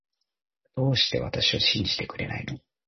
どうして私を信じてくれないの